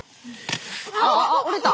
あっ折れた！